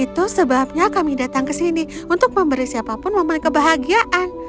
itu sebabnya kami datang ke sini untuk memberi siapapun memenuhi kebahagiaan